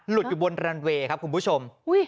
อยู่บนรันเวย์ครับคุณผู้ชม